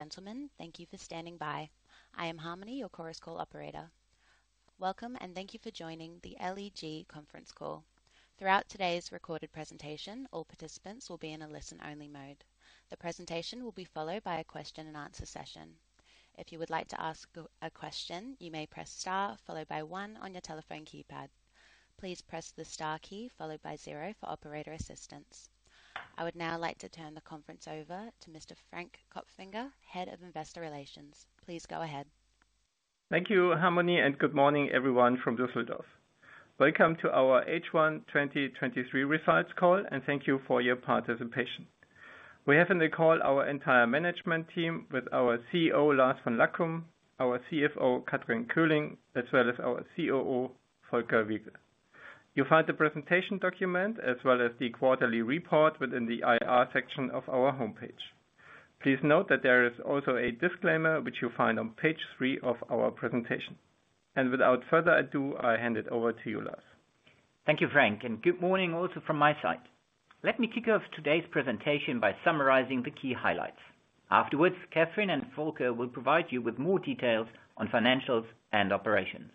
Gentlemen, thank you for standing by. I am Harmony, your Chorus Call operator. Welcome, and thank you for joining the LEG conference call. Throughout today's recorded presentation, all participants will be in a listen-only mode. The presentation will be followed by a question and answer session. If you would like to ask a question, you may press Star followed by 1 on your telephone keypad. Please press the Star key followed by zero for operator assistance. I would now like to turn the conference over to Mr. Frank Kopfinger, Head of Investor Relations. Please go ahead. Thank you, Harmony, and good morning everyone from Düsseldorf. Welcome to our H1 2023 results call, and thank you for your participation. We have in the call our entire management team with our CEO, Lars von Lackum, our CFO, Kathrin Köhling, as well as our COO, Volker Wiegel. You'll find the presentation document as well as the quarterly report within the IR section of our homepage. Please note that there is also a disclaimer, which you'll find on page three of our presentation. Without further ado, I'll hand it over to you, Lars. Thank you, Frank, and good morning also from my side. Let me kick off today's presentation by summarizing the key highlights. Afterwards, Kathrin and Volker will provide you with more details on financials and operations.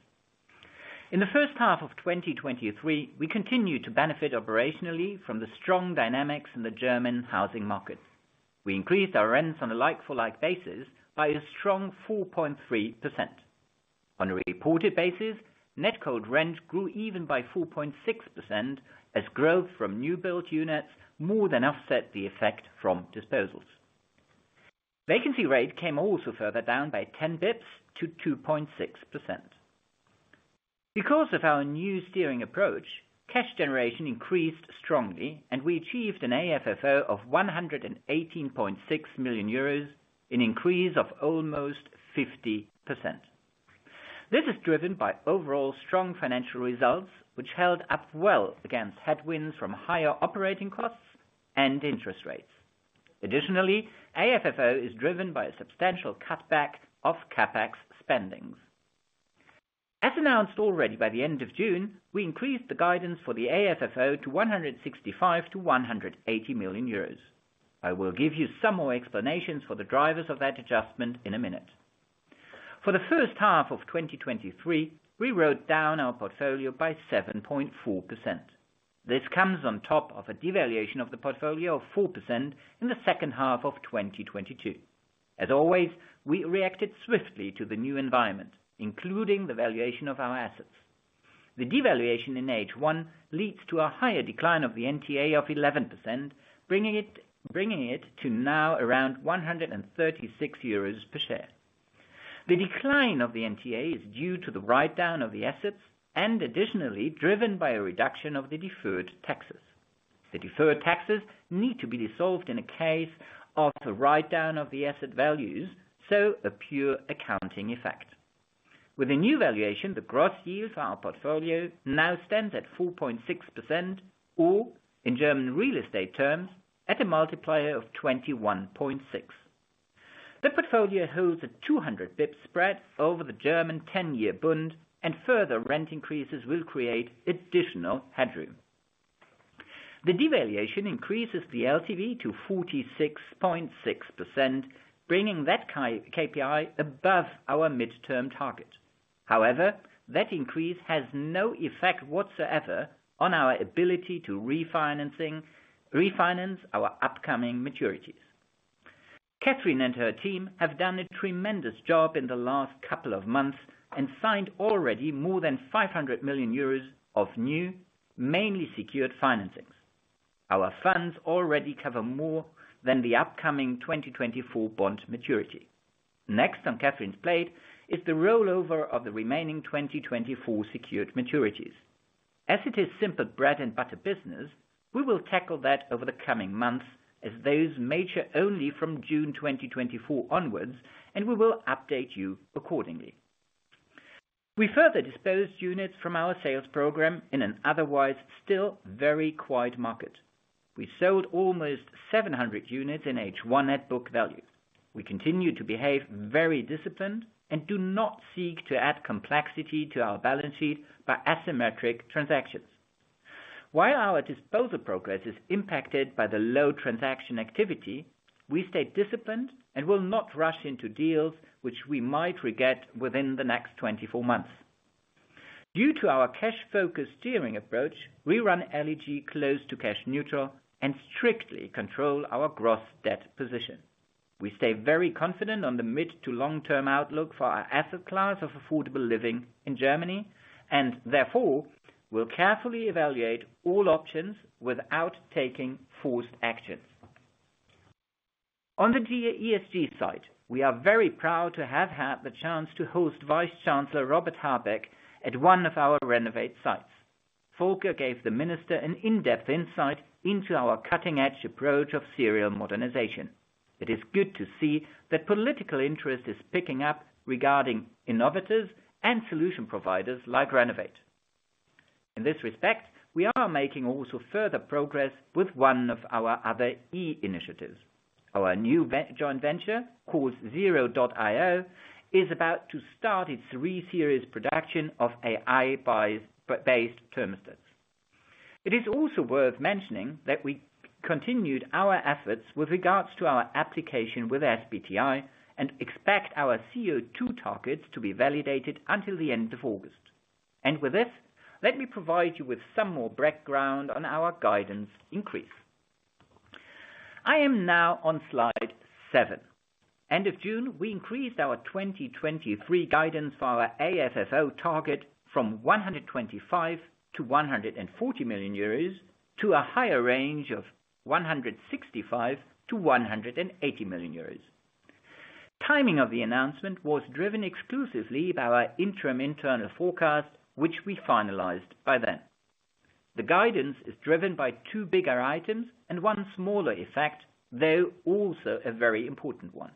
In the first half of 2023, we continued to benefit operationally from the strong dynamics in the German housing market. We increased our rents on a like-for-like basis by a strong 4.3%. On a reported basis, net cold rent grew even by 4.6%, as growth from new build units more than offset the effect from disposals. Vacancy rate came also further down by 10 basis points to 2.6%. Because of our new steering approach, cash generation increased strongly, and we achieved an AFFO of 118.6 million euros, an increase of almost 50%. This is driven by overall strong financial results, which held up well against headwinds from higher operating costs and interest rates. Additionally, AFFO is driven by a substantial cutback of CapEx spendings. As announced already by the end of June, we increased the guidance for the AFFO to 165 million-180 million euros. I will give you some more explanations for the drivers of that adjustment in a minute. For the first half of 2023, we wrote down our portfolio by 7.4%. This comes on top of a devaluation of the portfolio of 4% in the second half of 2022. As always, we reacted swiftly to the new environment, including the valuation of our assets. The devaluation in H1 leads to a higher decline of the NTA of 11%, bringing it to now around 136 euros per share. The decline of the NTA is due to the write-down of the assets and additionally driven by a reduction of the deferred taxes. The deferred taxes need to be dissolved in a case of the write-down of the asset values, so a pure accounting effect. With the new valuation, the gross yield for our portfolio now stands at 4.6%, or in German real estate terms, at a multiplier of 21.6. The portfolio holds a 200 basis points spread over the German 10-year Bund, further rent increases will create additional headroom. The devaluation increases the LTV to 46.6%, bringing that KPI above our midterm target. However, that increase has no effect whatsoever on our ability to refinance our upcoming maturities. Kathrin and her team have done a tremendous job in the last couple of months and signed already more than 500 million euros of new, mainly secured financings. Our funds already cover more than the upcoming 2024 bond maturity. Next on Kathrin's plate is the rollover of the remaining 2024 secured maturities. As it is simple bread and butter business, we will tackle that over the coming months as those mature only from June 2024 onwards, and we will update you accordingly. We further disposed units from our sales program in an otherwise still very quiet market. We sold almost 700 units in H1 at book value. We continue to behave very disciplined and do not seek to add complexity to our balance sheet by asymmetric transactions. While our disposal progress is impacted by the low transaction activity, we stay disciplined and will not rush into deals which we might regret within the next 24 months. Due to our cash-focused steering approach, we run LEG close to cash neutral and strictly control our gross debt position. We stay very confident on the mid to long-term outlook for our asset class of affordable living in Germany, and therefore, we'll carefully evaluate all options without taking forced actions. On the ESG side, we are very proud to have had the chance to host Vice Chancellor Robert Habeck at one of our RENOWATE sites. Volker gave the minister an in-depth insight into our cutting-edge approach of serial modernization. It is good to see that political interest is picking up regarding innovators and solution providers like RENOWATE. In this respect, we are making also further progress with one of our other E initiatives. Our new joint venture, calls Zero.io, is about to start its three series production of AI-based thermostats. It is also worth mentioning that we continued our efforts with regards to our application with SBTi, and expect our CO2 targets to be validated until the end of August. With this, let me provide you with some more background on our guidance increase. I am now on slide seven. End of June, we increased our 2023 guidance for our AFFO target from 125 million-140 million euros, to a higher range of 165 million-180 million euros. Timing of the announcement was driven exclusively by our interim internal forecast, which we finalized by then. The guidance is driven by two bigger items and one smaller effect, though also a very important one.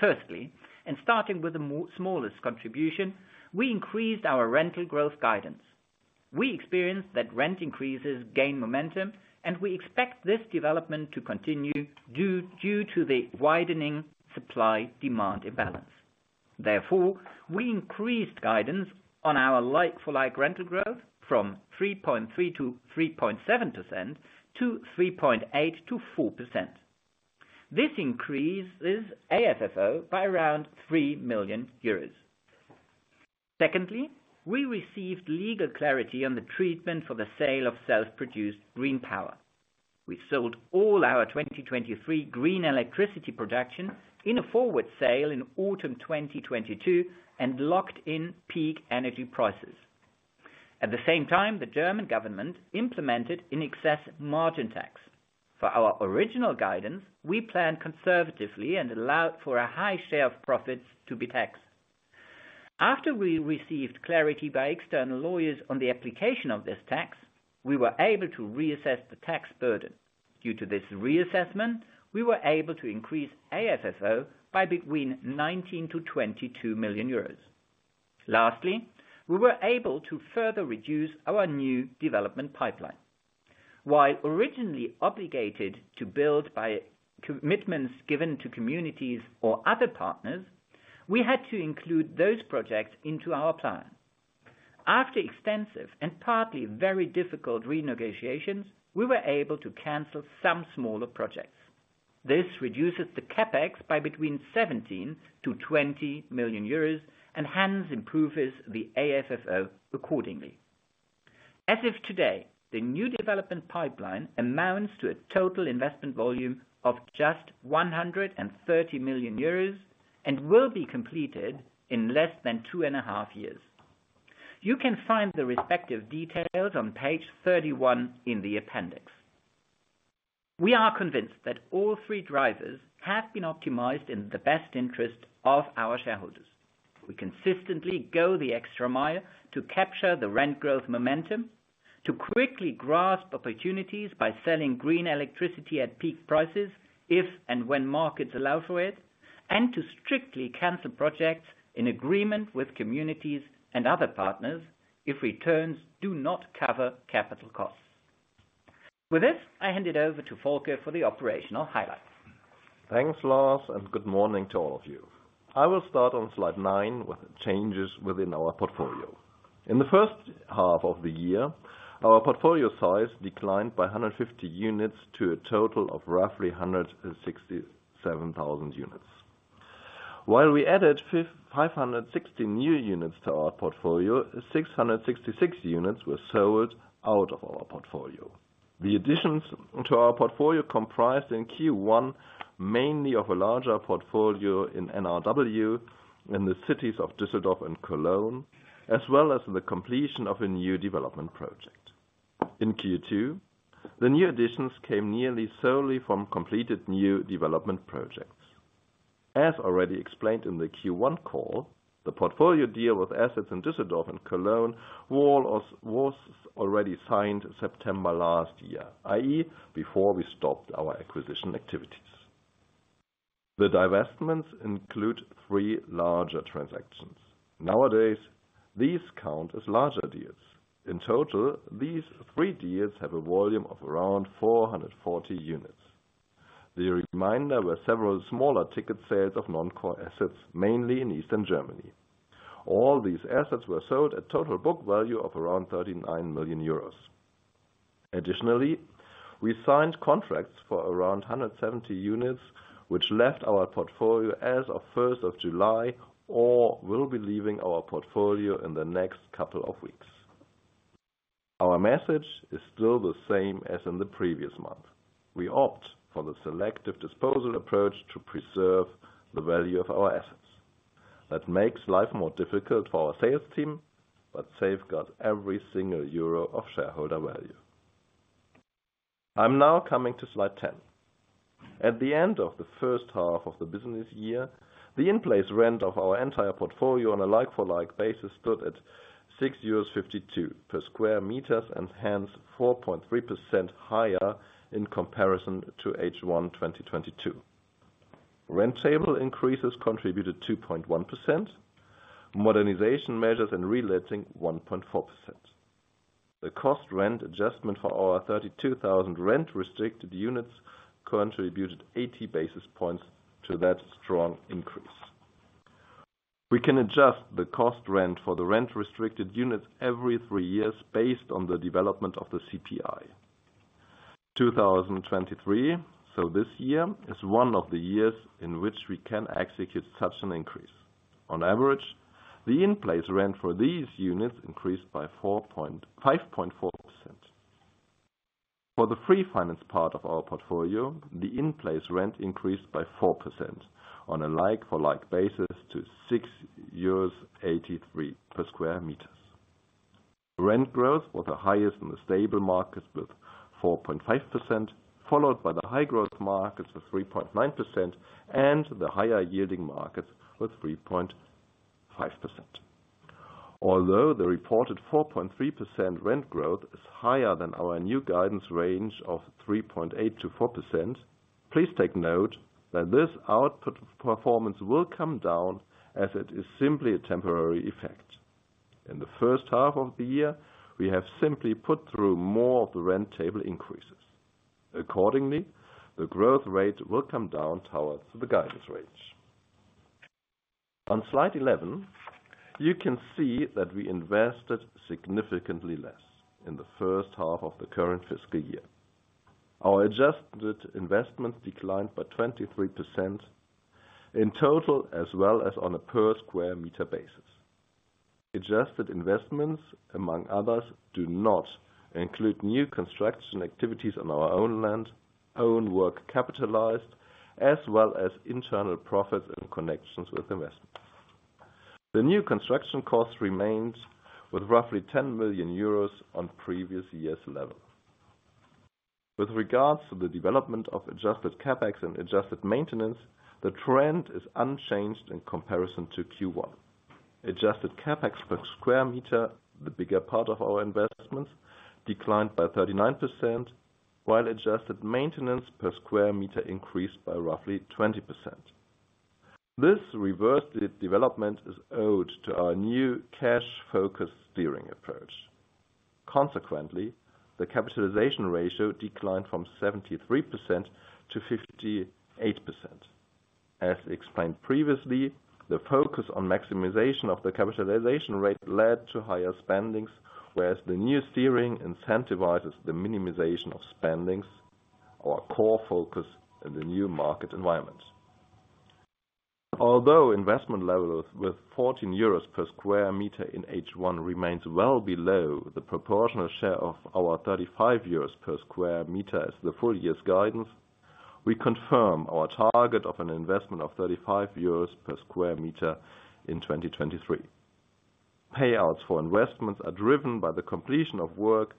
Firstly, and starting with the smallest contribution, we increased our rental growth guidance. We experienced that rent increases gain momentum, and we expect this development to continue due to the widening supply-demand imbalance. Therefore, we increased guidance on our like-for-like rental growth from 3.3%-3.7% to 3.8%-4%. This increases AFFO by around 3 million euros. Secondly, we received legal clarity on the treatment for the sale of self-produced green power. We sold all our 2023 green electricity production in a forward sale in autumn 2022, and locked in peak energy prices. At the same time, the German government implemented in excess margin tax. For our original guidance, we planned conservatively and allowed for a high share of profits to be taxed. After we received clarity by external lawyers on the application of this tax, we were able to reassess the tax burden. Due to this reassessment, we were able to increase AFFO by between 19 million-22 million euros. Lastly, we were able to further reduce our new development pipeline. While originally obligated to build by commitments given to communities or other partners, we had to include those projects into our plan. After extensive and partly very difficult renegotiations, we were able to cancel some smaller projects. This reduces the CapEx by between 17 million-20 million euros, hence improves the AFFO accordingly. As of today, the new development pipeline amounts to a total investment volume of just 130 million euros and will be completed in less than two and a half years. You can find the respective details on page 31 in the appendix. We are convinced that all three drivers have been optimized in the best interest of our shareholders. We consistently go the extra mile to capture the rent growth momentum, to quickly grasp opportunities by selling green electricity at peak prices, if and when markets allow for it, and to strictly cancel projects in agreement with communities and other partners, if returns do not cover capital costs. With this, I hand it over to Volker for the operational highlights. Thanks, Lars. Good morning to all of you. I will start on slide 9 with changes within our portfolio. In the first half of the year, our portfolio size declined by 150 units to a total of roughly 167,000 units. While we added 560 new units to our portfolio, 666 units were sold out of our portfolio. The additions to our portfolio comprised in Q1 mainly of a larger portfolio in NRW, in the cities of Düsseldorf and Cologne, as well as the completion of a new development project. In Q2, the new additions came nearly solely from completed new development projects. As already explained in the Q1 call, the portfolio deal with assets in Düsseldorf and Cologne was already signed September last year, i.e., before we stopped our acquisition activities. The divestments include three larger transactions. Nowadays, these count as larger deals. In total, these three deals have a volume of around 440 units. The remainder were several smaller ticket sales of non-core assets, mainly in Eastern Germany. All these assets were sold at total book value of around 39 million euros. Additionally, we signed contracts for around 170 units, which left our portfolio as of 1st of July, or will be leaving our portfolio in the next couple of weeks. Our message is still the same as in the previous month. We opt for the selective disposal approach to preserve the value of our assets. That makes life more difficult for our sales team, but safeguards every single EUR of shareholder value. I'm now coming to slide 10. At the end of the first half of the business year, the in-place rent of our entire portfolio on a like-for-like basis, stood at 6.52 euros per square meters, and hence 4.3% higher in comparison to H1 2022. rent table increases contributed 2.1%, modernization measures and reletting, 1.4%. The cost rent adjustment for our 32,000 rent-restricted units contributed 80 basis points to that strong increase. We can adjust the cost rent for the rent-restricted units every three years based on the development of the CPI. 2023, so this year, is one of the years in which we can execute such an increase. On average, the in-place rent for these units increased by 5.4%. For the free finance part of our portfolio, the in-place rent increased by 4% on a like for like basis to 6.83 euros per square meters. Rent growth was the highest in the stable markets, with 4.5%, followed by the high growth markets of 3.9%, and the higher yielding markets with 3.5%. Although the reported 4.3% rent growth is higher than our new guidance range of 3.8%-4%, please take note that this output performance will come down as it is simply a temporary effect. In the first half of the year, we have simply put through more of the rent table increases. Accordingly, the growth rate will come down towards the guidance range. On slide 11, you can see that we invested significantly less in the first half of the current fiscal year. Our adjusted investment declined by 23% in total, as well as on a per square meter basis. Adjusted investments, among others, do not include new construction activities on our own land, own work capitalized, as well as internal profits in connections with investments. The new construction cost remains with roughly 10 million euros on previous years' level. With regards to the development of adjusted CapEx and adjusted maintenance, the trend is unchanged in comparison to Q1. Adjusted CapEx per square meter, the bigger part of our investments, declined by 39%, while adjusted maintenance per square meter increased by roughly 20%. This reversed development is owed to our new cash-focused steering approach. Consequently, the capitalization ratio declined from 73% to 58%. As explained previously, the focus on maximization of the capitalization rate led to higher spendings, whereas the new steering incentivizes the minimization of spendings, our core focus in the new market environment. Although investment levels with 14 euros per square meter in H1 remains well below the proportional share of our 35 euros per square meter as the full year's guidance, we confirm our target of an investment of 35 euros per square meter in 2023. Payouts for investments are driven by the completion of work,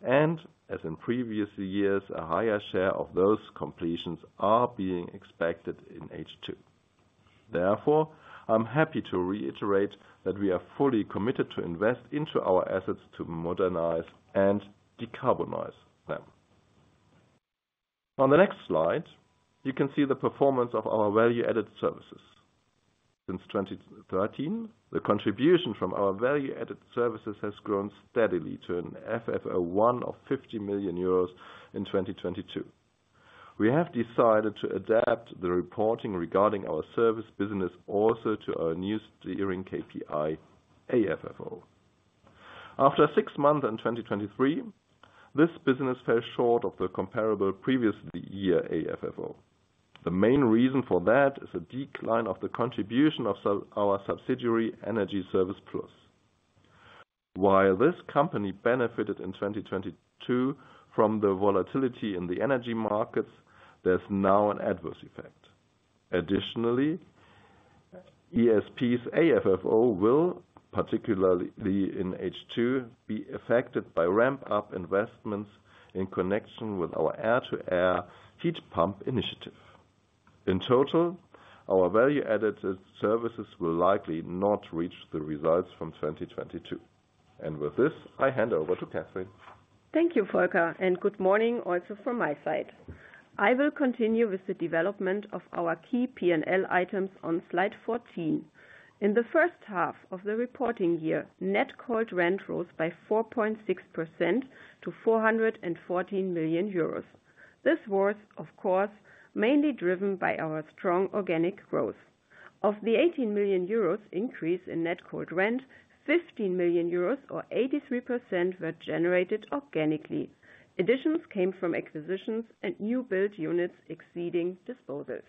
and as in previous years, a higher share of those completions are being expected in H2. Therefore, I'm happy to reiterate that we are fully committed to invest into our assets to modernize and decarbonize them. On the next slide, you can see the performance of our value-added services. Since 2013, the contribution from our value-added services has grown steadily to an FFO 1 of 50 million euros in 2022. We have decided to adapt the reporting regarding our service business also to our new steering KPI, AFFO. After six months in 2023, this business fell short of the comparable previous year AFFO. The main reason for that is a decline of the contribution of our subsidiary EnergieServicePlus. While this company benefited in 2022 from the volatility in the energy markets, there's now an adverse effect. Additionally, ESP's AFFO will, particularly in H2, be affected by ramp-up investments in connection with our air-to-air heat pump initiative. In total, our value-added services will likely not reach the results from 2022. With this, I hand over to Kathrin. Thank you, Volker, and good morning also from my side. I will continue with the development of our key P&L items on slide 14. In the first half of the reporting year, net cold rent rose by 4.6% to 414 million euros. This was, of course, mainly driven by our strong organic growth. Of the 18 million euros increase in net cold rent, 15 million euros or 83% were generated organically. Additions came from acquisitions and new build units exceeding disposals.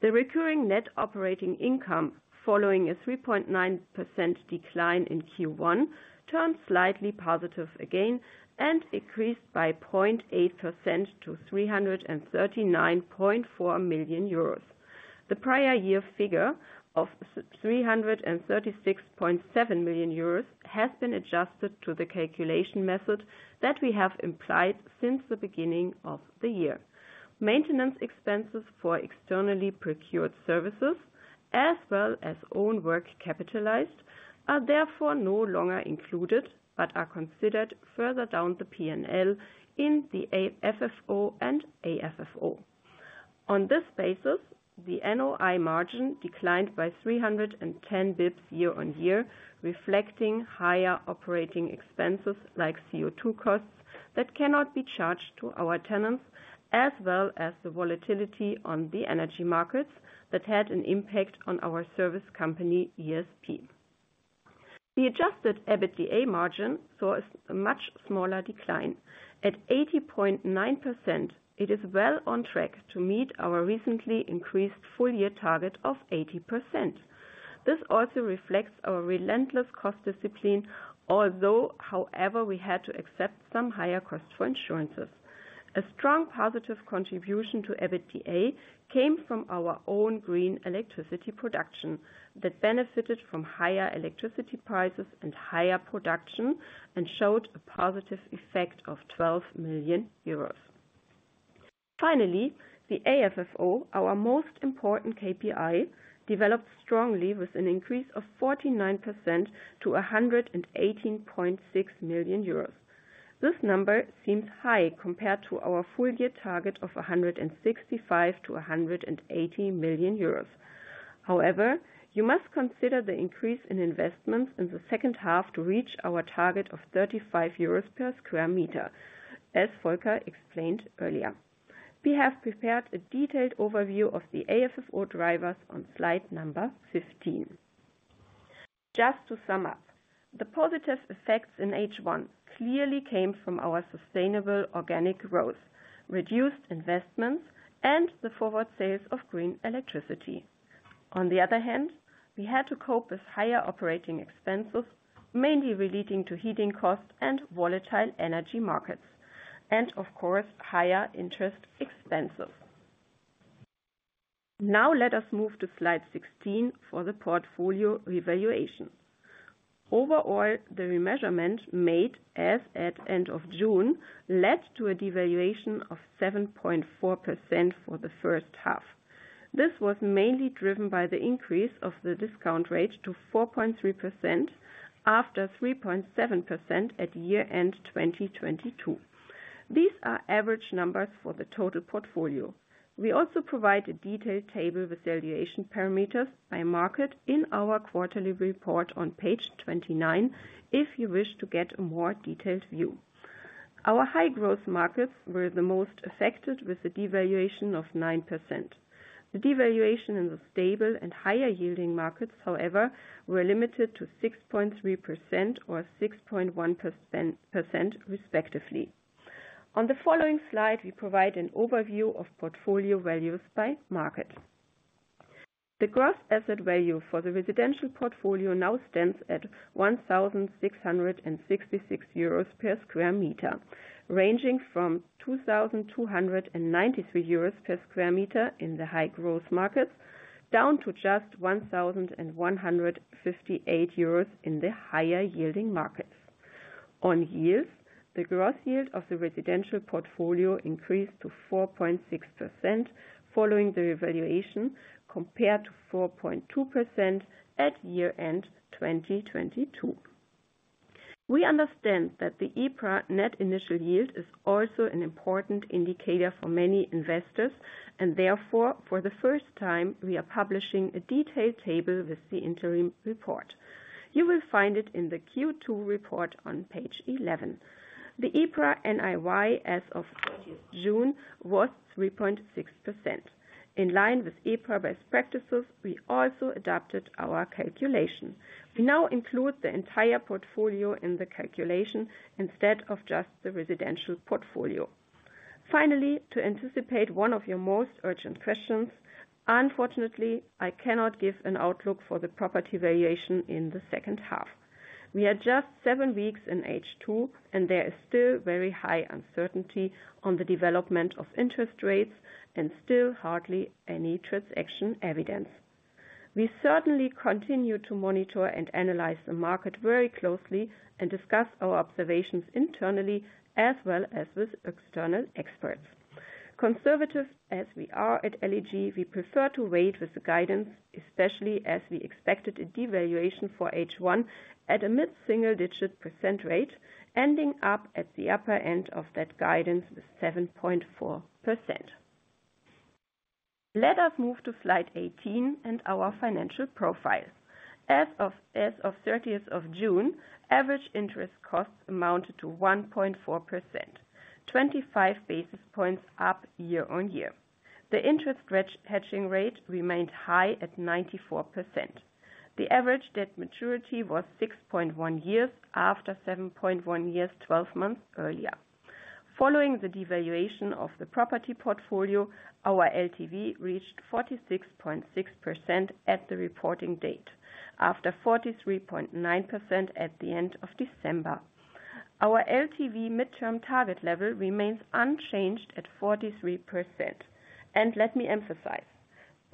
The recurring net operating income, following a 3.9% decline in Q1, turned slightly positive again and increased by 0.8% to 339.4 million euros. The prior year figure of 336.7 million euros has been adjusted to the calculation method that we have implied since the beginning of the year. Maintenance expenses for externally procured services, as well as own work capitalized, are therefore no longer included, but are considered further down the P&L in the AFFO and AFFO. On this basis, the NOI margin declined by 310 basis points YoY, reflecting higher operating expenses like CO2 costs, that cannot be charged to our tenants, as well as the volatility on the energy markets that had an impact on our service company, ESP. The adjusted EBITDA margin saw a much smaller decline. At 80.9%, it is well on track to meet our recently increased full year target of 80%. This also reflects our relentless cost discipline, although, however, we had to accept some higher costs for insurances. A strong positive contribution to EBITDA came from our own green electricity production, that benefited from higher electricity prices and higher production, and showed a positive effect of 12 million euros. Finally, the AFFO, our most important KPI, developed strongly with an increase of 49% to 118.6 million euros. This number seems high compared to our full year target of 165 million-180 million euros. However, you must consider the increase in investments in the second half to reach our target of 35 euros per square meter, as Volker explained earlier. We have prepared a detailed overview of the AFFO drivers on slide number 15. Just to sum up, the positive effects in H1 clearly came from our sustainable organic growth, reduced investments, and the forward sales of green electricity. On the other hand, we had to cope with higher operating expenses, mainly relating to heating costs and volatile energy markets, and of course, higher interest expenses. Now let us move to slide 16 for the portfolio revaluation. Overall, the remeasurement made as at end of June, led to a devaluation of 7.4% for the first half. This was mainly driven by the increase of the discount rate to 4.3%, after 3.7% at year end, 2022. These are average numbers for the total portfolio. We also provide a detailed table with valuation parameters by market in our quarterly report on page 29, if you wish to get a more detailed view. Our high growth markets were the most affected, with a devaluation of 9%. The devaluation in the stable and higher yielding markets, however, were limited to 6.3% or 6.1% percent respectively. On the following slide, we provide an overview of portfolio values by market. The gross asset value for the residential portfolio now stands at 1,666 euros per square meter, ranging from 2,293 euros per square meter in the high growth markets, down to just 1,158 euros in the higher yielding markets. On yields, the gross yield of the residential portfolio increased to 4.6% following the revaluation, compared to 4.2% at year end, 2022. We understand that the EPRA Net Initial Yield is also an important indicator for many investors, therefore, for the first time, we are publishing a detailed table with the interim report. You will find it in the Q2 report on page 11. The EPRA NTA, as of 30th June, was 3.6%. In line with EPRA best practices, we also adapted our calculation. We now include the entire portfolio in the calculation, instead of just the residential portfolio. Finally, to anticipate one of your most urgent questions, unfortunately, I cannot give an outlook for the property valuation in the second half. We are just seven weeks in H2, there is still very high uncertainty on the development of interest rates, still hardly any transaction evidence. We certainly continue to monitor and analyze the market very closely, and discuss our observations internally as well as with external experts. Conservative as we are at LEG, we prefer to wait with the guidance, especially as we expected a devaluation for H1 at a mid-single digit % rate, ending up at the upper end of that guidance with 7.4%. Let us move to slide 18 and our financial profile. As of 30th of June, average interest costs amounted to 1.4%, 25 basis points up YoY. The hedging rate remained high at 94%. The average debt maturity was 6.1 years, after 7.1 years, 12 months earlier. Following the devaluation of the property portfolio, our LTV reached 46.6% at the reporting date, after 43.9% at the end of December. Our LTV midterm target level remains unchanged at 43%. Let me emphasize,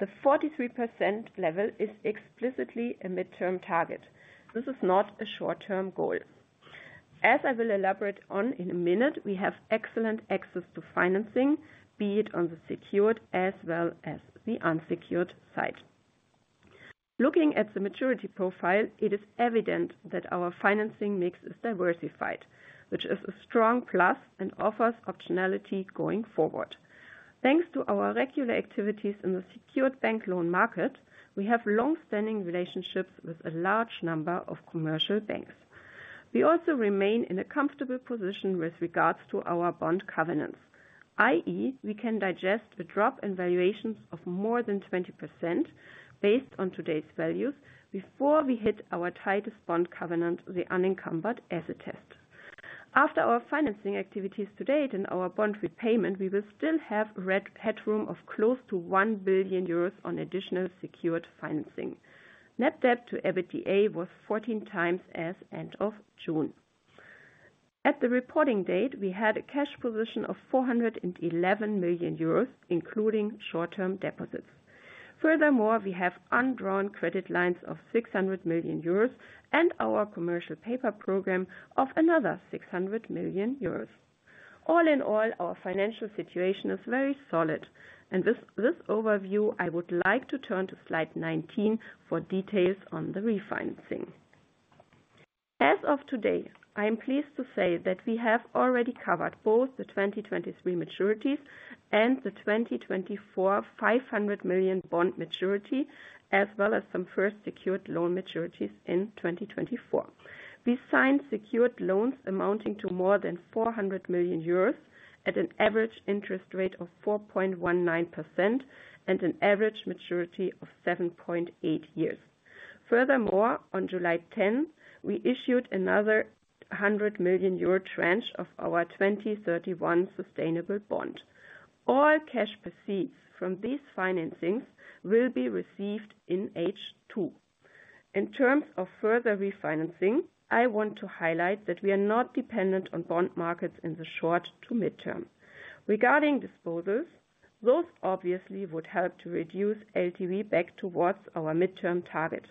the 43% level is explicitly a midterm target. This is not a short-term goal. As I will elaborate on in a minute, we have excellent access to financing, be it on the secured as well as the unsecured side. Looking at the maturity profile, it is evident that our financing mix is diversified, which is a strong plus and offers optionality going forward. Thanks to our regular activities in the secured bank loan market, we have long-standing relationships with a large number of commercial banks. We also remain in a comfortable position with regards to our bond covenants, i.e., we can digest the drop in valuations of more than 20% based on today's values before we hit our tightest bond covenant, the unencumbered asset test. After our financing activities to date and our bond repayment, we will still have headroom of close to 1 billion euros on additional secured financing. Net Debt to EBITDA was 14 times as end of June. At the reporting date, we had a cash position of 411 million euros, including short-term deposits. Furthermore, we have undrawn credit lines of 600 million euros and our commercial paper program of another 600 million euros. All in all, our financial situation is very solid, and this overview, I would like to turn to slide 19 for details on the refinancing. As of today, I am pleased to say that we have already covered both the 2023 maturities and the 2024, 500 million bond maturity, as well as some first secured loan maturities in 2024. We signed secured loans amounting to more than 400 million euros at an average interest rate of 4.19% and an average maturity of 7.8 years. On July 10th, we issued another 100 million euro tranche of our 2031 sustainable bond. All cash proceeds from these financings will be received in H2. In terms of further refinancing, I want to highlight that we are not dependent on bond markets in the short to midterm. Regarding disposals, those obviously would help to reduce LTV back towards our midterm target.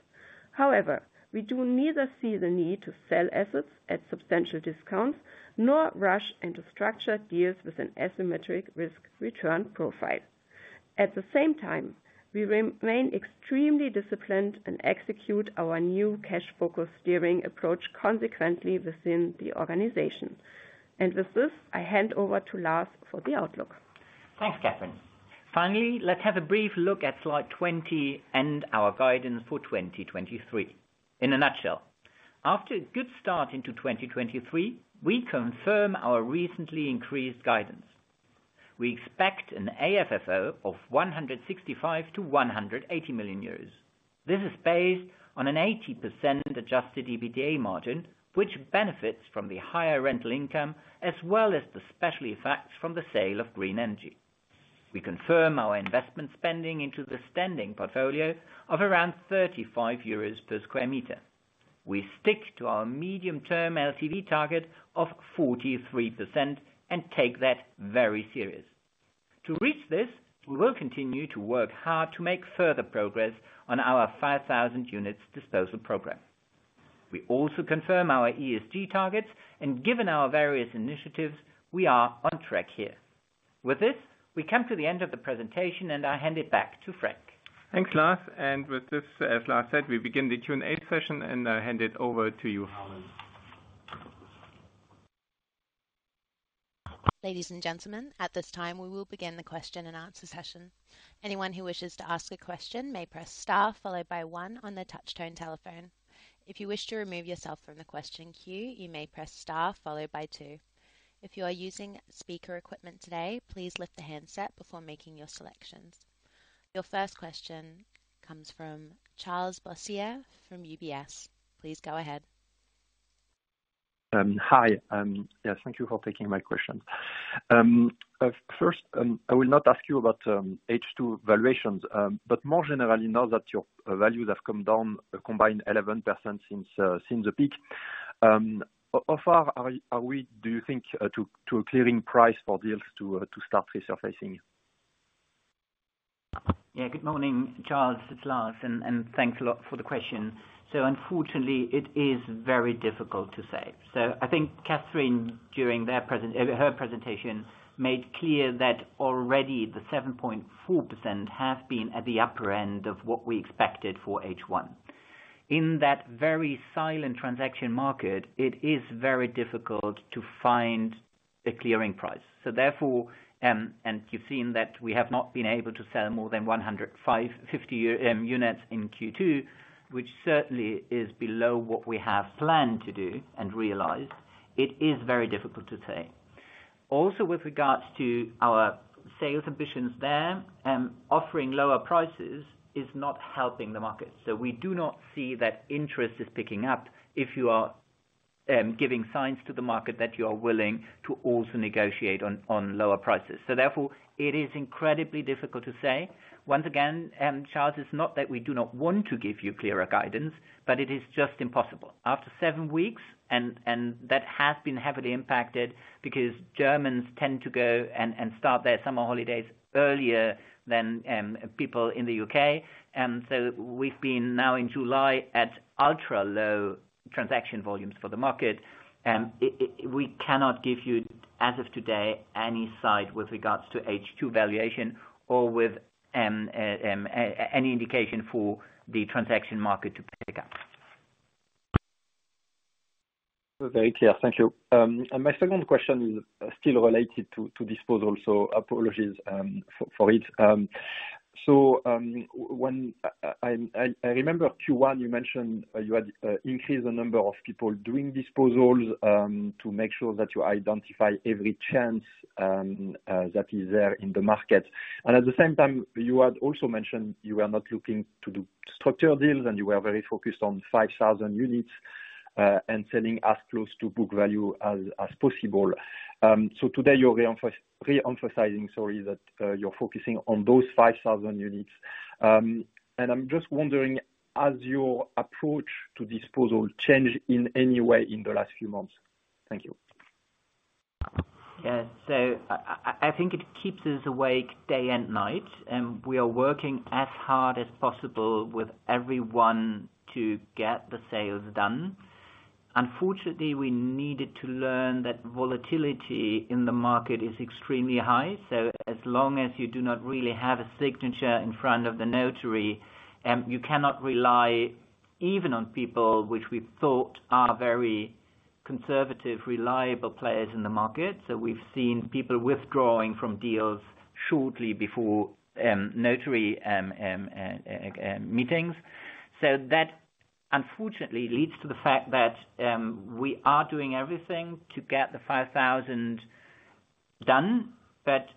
However, we do neither see the need to sell assets at substantial discounts, nor rush into structured deals with an asymmetric risk-return profile. At the same time, we remain extremely disciplined and execute our new cash focus steering approach consequently within the organization. With this, I hand over to Lars for the outlook. Thanks, Kathrin. Finally, let's have a brief look at slide 20 and our guidance for 2023. In a nutshell, after a good start into 2023, we confirm our recently increased guidance. We expect an AFFO of 165 million-180 million euros. This is based on an 80% adjusted EBITDA margin, which benefits from the higher rental income, as well as the special effects from the sale of green energy. We confirm our investment spending into the standing portfolio of around 35 euros per square meter. We stick to our medium-term LTV target of 43% and take that very serious. To reach this, we will continue to work hard to make further progress on our 5,000 units disposal program. We also confirm our ESG targets, and given our various initiatives, we are on track here. With this, we come to the end of the presentation, and I hand it back to Frank. Thanks, Lars. With this, as Lars said, we begin the Q&A session, and I hand it over to you, Howard. Ladies and gentlemen, at this time, we will begin the question-and-answer session. Anyone who wishes to ask a question may press star followed by one on their touchtone telephone. If you wish to remove yourself from the question queue, you may press star followed by two. If you are using speaker equipment today, please lift the handset before making your selections. Your first question comes from Charles Boissier from UBS. Please go ahead. Hi. Yeah, thank you for taking my question. First, I will not ask you about H2 valuations, but more generally now that your values have come down a combined 11% since the peak, how far are we, do you think, to a clearing price for deals to start resurfacing? Yeah, good morning, Charles. It's Lars, and thanks a lot for the question. Unfortunately, it is very difficult to say. I think Kathrin Köhling, during her presentation, made clear that already the 7.4% have been at the upper end of what we expected for H1. In that very silent transaction market, it is very difficult to find a clearing price. Therefore, and you've seen that we have not been able to sell more than 150 units in Q2, which certainly is below what we have planned to do and realized, it is very difficult to say. Also, with regards to our sales ambitions there, offering lower prices is not helping the market. We do not see that interest is picking up if you are giving signs to the market that you are willing to also negotiate on lower prices. Therefore, it is incredibly difficult to say. Once again, Charles, it's not that we do not want to give you clearer guidance, but it is just impossible. After seven weeks, that has been heavily impacted because Germans tend to go and start their summer holidays earlier than people in the UK. We've been now in July at ultra low transaction volumes for the market. We cannot give you, as of today, any insight with regards to H2 valuation or with any indication for the transaction market to pick up. Very clear. Thank you. My second question is still related to, to disposal, so apologies for, for it. When I remember Q1, you mentioned you had increased the number of people doing disposals to make sure that you identify every chance that is there in the market. At the same time, you had also mentioned you were not looking to do structural deals, and you were very focused on 5,000 units and selling as close to book value as possible. Today you're re-emphasizing, sorry, that you're focusing on those 5,000 units. I'm just wondering, has your approach to disposal changed in any way in the last few months? Thank you. Yeah. I, I, I think it keeps us awake day and night, and we are working as hard as possible with everyone to get the sales done. Unfortunately, we needed to learn that volatility in the market is extremely high. As long as you do not really have a signature in front of the notary, you cannot rely even on people which we thought are very conservative, reliable players in the market. We've seen people withdrawing from deals shortly before notary meetings. That unfortunately leads to the fact that we are doing everything to get the 5,000 done.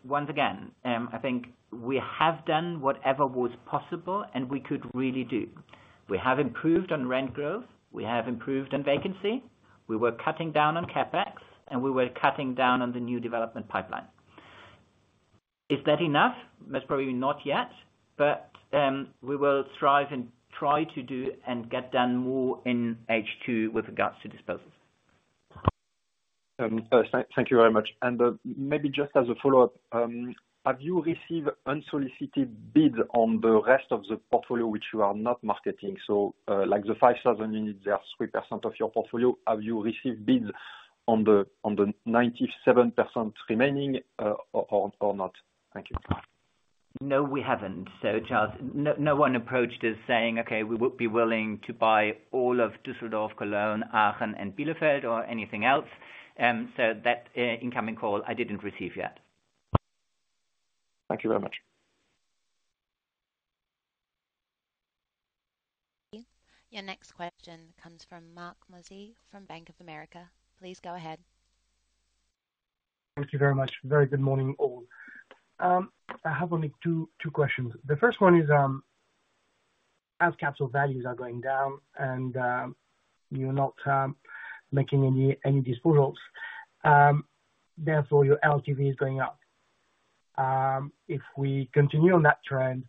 Once again, I think we have done whatever was possible and we could really do. We have improved on rent growth, we have improved on vacancy, we were cutting down on CapEx, and we were cutting down on the new development pipeline. Is that enough? That's probably not yet, but we will thrive and try to do and get done more in H2 with regards to disposals. Thank you very much. Maybe just as a follow-up, have you received unsolicited bid on the rest of the portfolio which you are not marketing? Like the 5,000 units, they are 3% of your portfolio. Have you received bids on the, on the 97% remaining, or not? Thank you. No, we haven't. Charles, no, no one approached us saying, "Okay, we would be willing to buy all of Düsseldorf, Cologne, Aachen and Bielefeld or anything else." That incoming call, I didn't receive yet. Thank you very much. Your next question comes from Marc Mozzi from Bank of America. Please go ahead. Thank you very much. Very good morning, all. I have only two questions. The first one is, as capital values are going down and you're not making any disposals, therefore your LTV is going up. If we continue on that trend,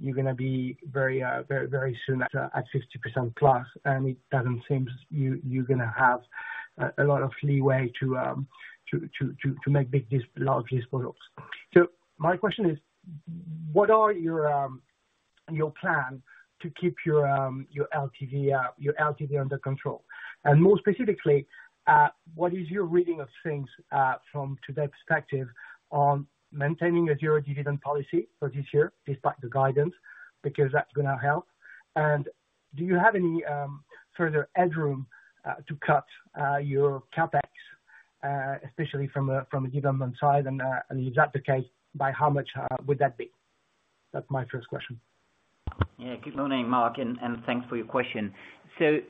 you're gonna be very, very soon at 60% plus, and it doesn't seem you, you're gonna have a lot of leeway to make large disposals. My question is: what are your plan to keep your LTV, your LTV under control? More specifically, what is your reading of things from today's perspective on maintaining a zero dividend policy for this year, despite the guidance, because that's gonna help. Do you have any further headroom to cut your CapEx, especially from a development side? And is that the case, by how much would that be? That's my first question. Yeah. Good morning, Marc, and thanks for your question. I,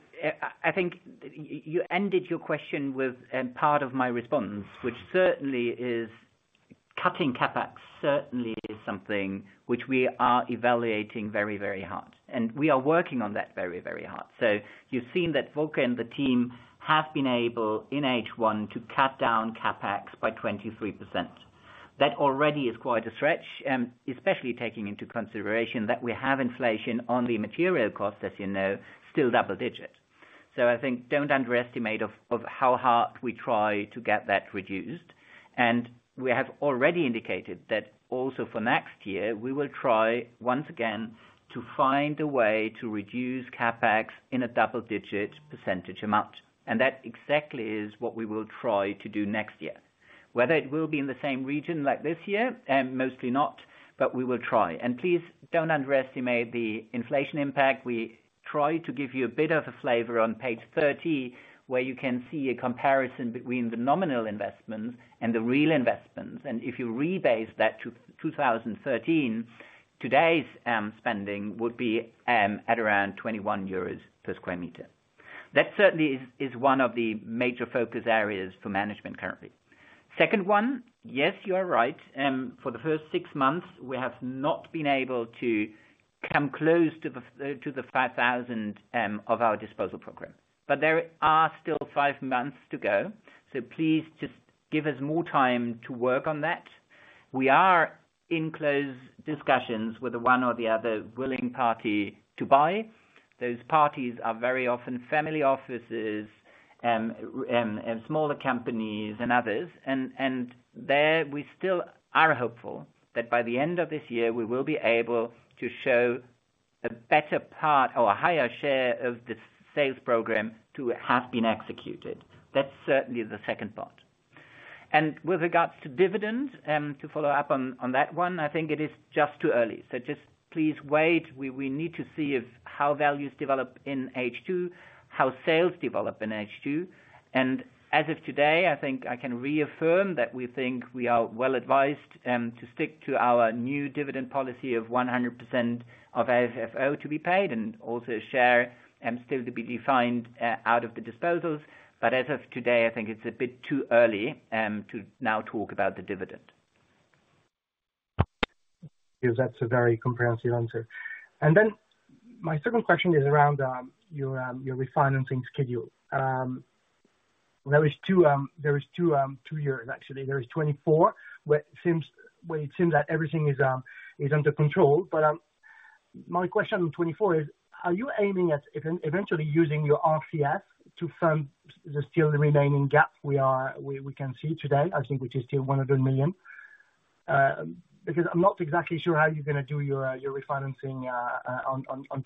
I think you ended your question with part of my response, which certainly is cutting CapEx, certainly is something which we are evaluating very, very hard, and we are working on that very, very hard. You've seen that Volker and the team have been able, in H1, to cut down CapEx by 23%. That already is quite a stretch, especially taking into consideration that we have inflation on the material cost, as you know, still double digits. I think don't underestimate of, of how hard we try to get that reduced. We have already indicated that also for next year, we will try, once again, to find a way to reduce CapEx in a double-digit percentage amount. That exactly is what we will try to do next year. Whether it will be in the same region like this year, mostly not, but we will try. Please don't underestimate the inflation impact. We try to give you a bit of a flavor on page 30, where you can see a comparison between the nominal investments and the real investments. If you rebase that to 2013, today's spending would be, at around 21 euros per square meter. That certainly is, is one of the major focus areas for management currently. Second one, yes, you are right. For the first six months, we have not been able to come close to the to the 5,000, of our disposal program. There are still five months to go, so please just give us more time to work on that. We are in close discussions with the one or the other willing party to buy. Those parties are very often family offices, and smaller companies and others. And there, we still are hopeful that by the end of this year, we will be able to show a better part or a higher share of the sales program to have been executed. That's certainly the second part. With regards to dividend, to follow up on, on that one, I think it is just too early. Just please wait. We need to see if how values develop in H2, how sales develop in H2. As of today, I think I can reaffirm that we think we are well advised, to stick to our new dividend policy of 100% of FFO to be paid, and also share, still to be defined, out of the disposals. As of today, I think it's a bit too early, to now talk about the dividend. Yes, that's a very comprehensive answer. My second question is around your refinancing schedule. There is two, there is two, two years actually. There is 2024, where it seems, where it seems that everything is under control. My question on 2024 is: Are you aiming at eventually using your RCF to fund the still remaining gap we can see today, I think, which is still 100 million? Because I'm not exactly sure how you're gonna do your refinancing on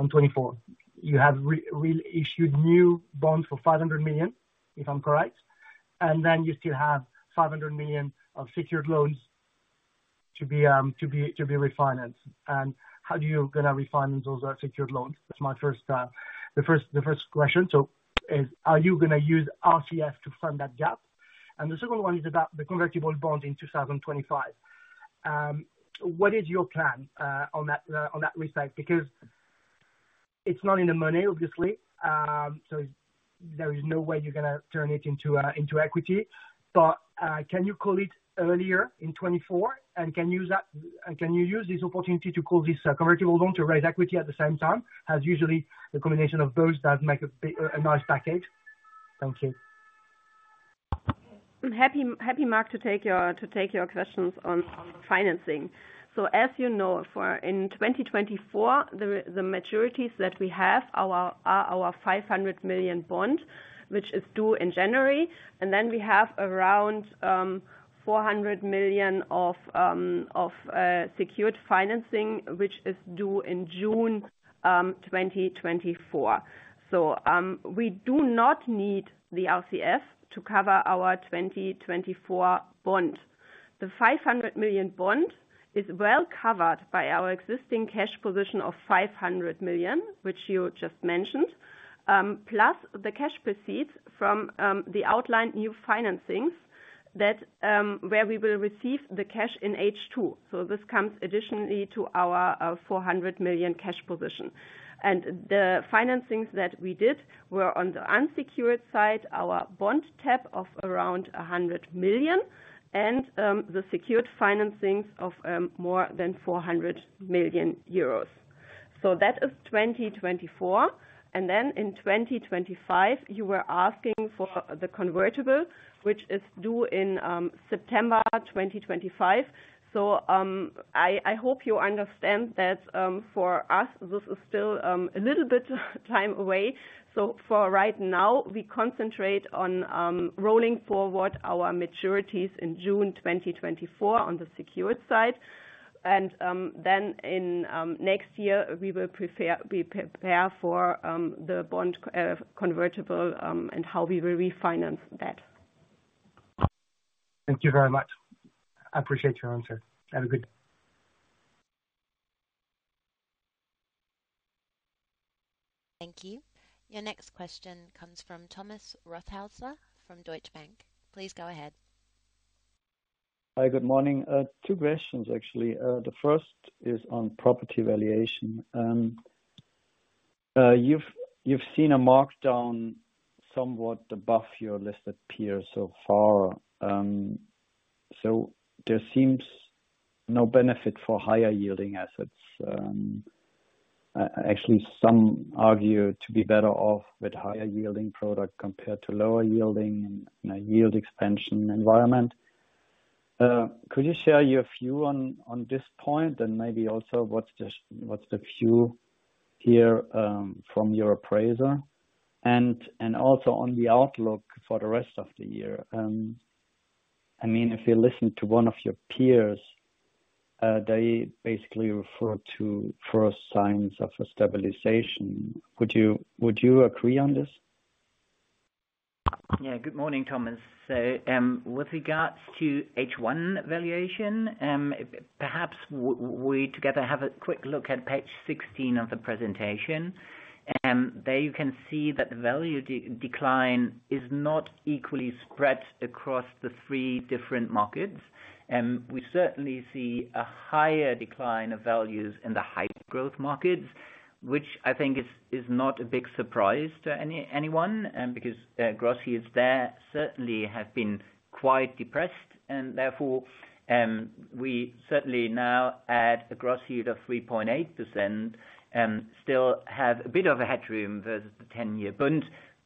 2024. You have re-issued new bonds for 500 million, if I'm correct, and then you still have 500 million of secured loans to be refinanced. How are you gonna refinance those secured loans? That's my first, the first, the first question. Are you gonna use RCF to fund that gap? The second one is about the convertible bond in 2025. What is your plan on that on that reset? Because it's not in the money, obviously. There is no way you're gonna turn it into equity. Can you call it earlier in 2024, and can you use that-- can you use this opportunity to call this convertible loan to raise equity at the same time? As usually, the combination of those that make a big, a nice package. Thank you. I'm happy, happy, Marc, to take your questions on financing. As you know, for in 2024, the maturities that we have are our 500 million bond, which is due in January. Then we have around 400 million of secured financing, which is due in June 2024. We do not need the RCF to cover our 2024 bond. The 500 million bond is well covered by our existing cash position of 500 million, which you just mentioned. Plus the cash proceeds from the outlined new financings that where we will receive the cash in H2. This comes additionally to our 400 million cash position. The financings that we did were on the unsecured side, our bond tab of around 100 million, and the secured financings of more than 400 million euros. That is 2024. Then in 2025, you were asking for the convertible, which is due in September 2025. I, I hope you understand that for us, this is still a little bit time away. For right now, we concentrate on rolling forward our maturities in June 2024 on the secured side. Then in next year, we will prepare, we prepare for the bond convertible, and how we will refinance that. Thank you very much. I appreciate your answer. Have a good day. Thank you. Your next question comes from Thomas Rothaeusler from Deutsche Bank. Please go ahead. Hi, good morning. two questions, actually. The first is on property valuation. You've, you've seen a markdown somewhat above your listed peers so far. So there seems no benefit for higher yielding assets. Actually, some argue to be better off with higher yielding product compared to lower yielding in a yield expansion environment. Could you share your view on, on this point? Maybe also, what's just, what's the view here, from your appraiser, and, and also on the outlook for the rest of the year? I mean, if you listen to one of your peers, they basically refer to first signs of a stabilization. Would you, would you agree on this? Yeah. Good morning, Thomas. With regards to H1 valuation, perhaps we together have a quick look at page 16 of the presentation. There you can see that the value decline is not equally spread across the three different markets. We certainly see a higher decline of values in the high growth markets, which I think is, is not a big surprise to anyone, because gross yields there certainly have been quite depressed. Therefore, we certainly now add a gross yield of 3.8% and still have a bit of a headroom versus the German 10-year Bund,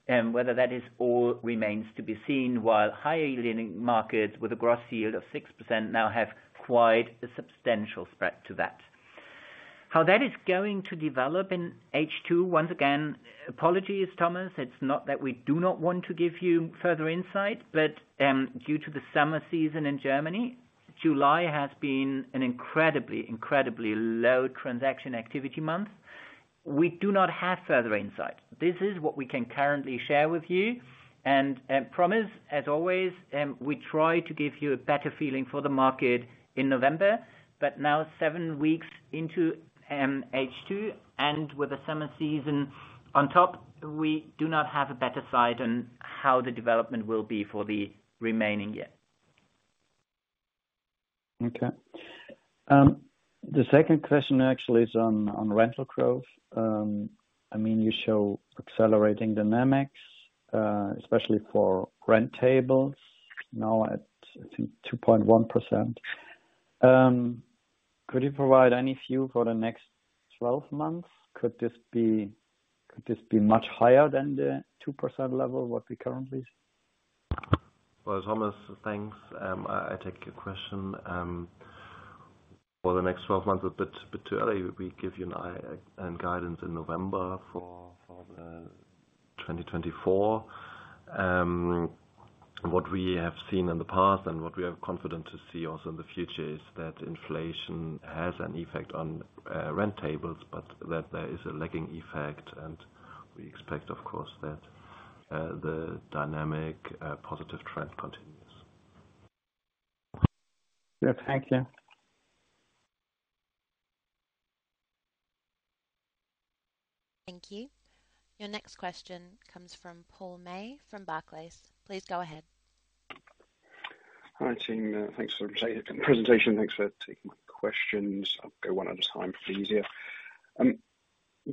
whether that is all remains to be seen, while higher yielding markets with a gross yield of 6% now have quite a substantial spread to that. How that is going to develop in H2, once again, apologies, Thomas, it's not that we do not want to give you further insight, but due to the summer season in Germany, July has been an incredibly, incredibly low transaction activity month. We do not have further insight. This is what we can currently share with you, and promise, as always, we try to give you a better feeling for the market in November. Now seven weeks into H2, and with the summer season on top, we do not have a better sight on how the development will be for the remaining year. Okay. The second question actually is on, on rental growth. I mean, you show accelerating dynamics, especially for rent tables, now at, I think 2.1%. Could you provide any view for the next 12 months? Could this be, could this be much higher than the 2% level, what we currently see? Well, Thomas, thanks. I, I take your question. For the next 12 months, a bit, bit too early. We give you an i- guidance in November for, for 2024. What we have seen in the past, and what we are confident to see also in the future, is that inflation has an effect on rent tables, but that there is a lagging effect. We expect, of course, that the dynamic positive trend continues. Yeah. Thank you. Thank you. Your next question comes from Paul May from Barclays. Please go ahead. Hi, team. Thanks for the presentation. Thanks for taking my questions. I'll go one at a time for easier.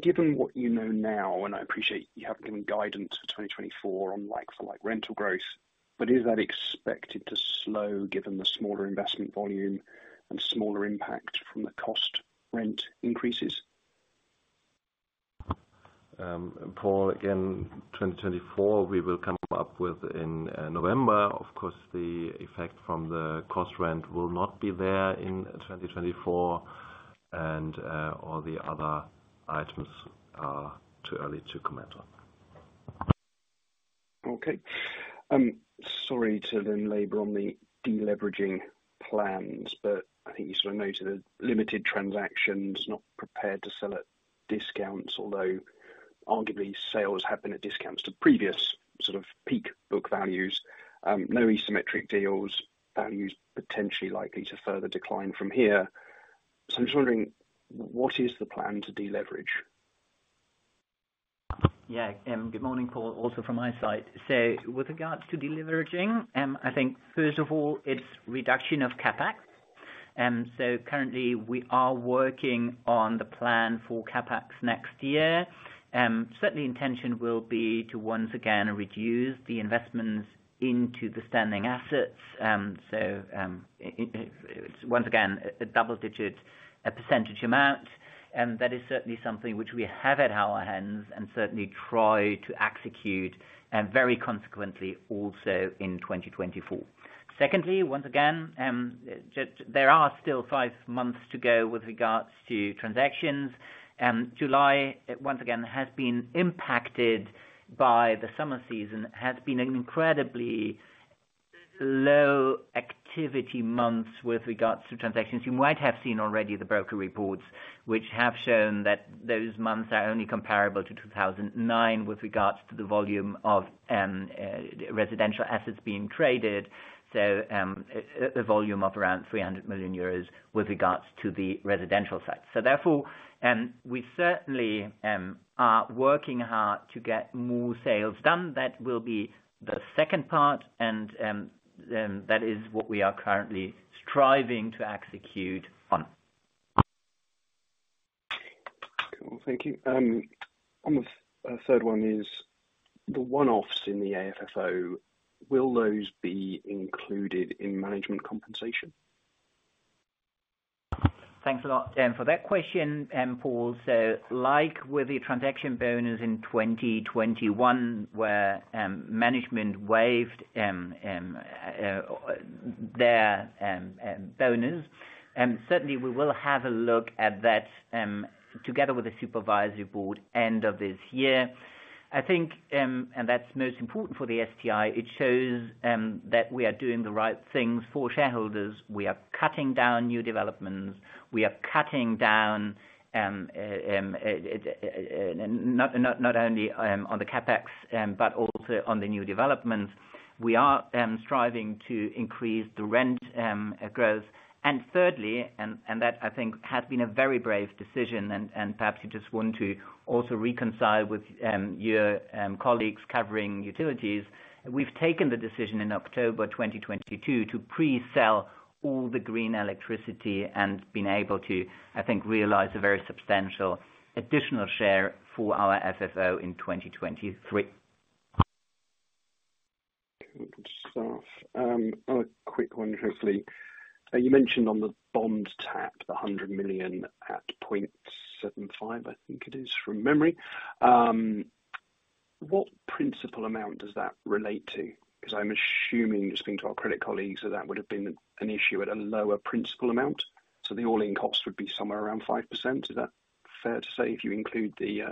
Given what you know now, and I appreciate you haven't given guidance for 2024 on like for like rental growth, but is that expected to slow given the smaller investment volume and smaller impact from the cost rent increases? Paul, again, 2024, we will come up with in November. Of course, the effect from the cost rent will not be there in 2024, and all the other items are too early to comment on. Okay. Sorry to then labor on the de-leveraging plans, but I think you sort of noted that limited transactions, not prepared to sell at discounts, although arguably sales have been at discounts to previous sort of peak book values. No asymmetric deals, values potentially likely to further decline from here. I'm just wondering, what is the plan to de-leverage? Yeah, good morning, Paul, also from my side. With regards to de-leveraging, I think first of all, it's reduction of CapEx. Currently we are working on the plan for CapEx next year. Certainly intention will be to, once again, reduce the investments into the standing assets. It's, once again, a double-digit percentage amount, and that is certainly something which we have at our hands and certainly try to execute, and very consequently, also in 2024. Secondly, once again, there are still five months to go with regards to transactions, and July, once again, has been impacted by the summer season, has been an incredibly low activity month with regards to transactions. You might have seen already the broker reports, which have shown that those months are only comparable to 2009 with regards to the volume of residential assets being traded. A volume of around 300 million euros with regards to the residential side. Therefore, we certainly are working hard to get more sales done. That will be the second part, and then that is what we are currently striving to execute on. Cool. Thank you. On the third one is the one-offs in the AFFO, will those be included in management compensation? Thanks a lot for that question, Paul. Like with the transaction bonus in 2021, where management waived their bonus, certainly we will have a look at that together with the supervisory board end of this year. I think that's most important for the FTI, it shows that we are doing the right things for shareholders. We are cutting down new developments. We are cutting down not, not, not only on the CapEx, but also on the new developments. We are striving to increase the rent growth. Thirdly, and that I think has been a very brave decision, and perhaps you just want to also reconcile with your colleagues covering utilities. We've taken the decision in October 2022 to pre-sell all the green electricity and been able to, I think, realize a very substantial additional share for our FFO in 2023. Good stuff. A quick one, hopefully. You mentioned on the bond tap, the 100 million at 0.75%, I think it is, from memory. What principal amount does that relate to? Because I'm assuming, just speaking to our credit colleagues, that that would have been an issue at a lower principal amount, so the all-in cost would be somewhere around 5%. Is that fair to say, if you include the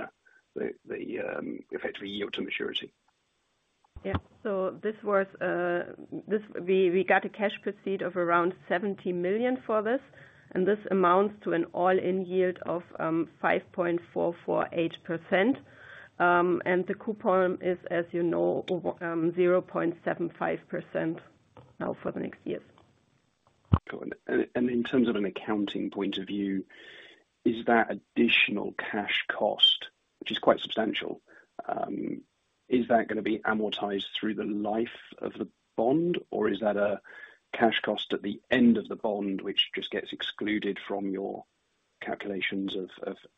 effective yield to maturity? Yeah, so this was, we got a cash proceed of around 70 million for this, and this amounts to an all-in yield of 5.448%. The coupon is, as you know, 0.75% now for the next years. Got it. And in terms of an accounting point of view, is that additional cash cost, which is quite substantial, is that gonna be amortized through the life of the bond? Or is that a cash cost at the end of the bond, which just gets excluded from your calculations of